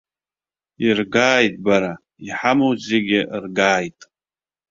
Иргааит, бара, иҳамоу зегьы ргааит!